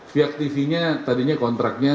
viak tv nya tadinya kontraknya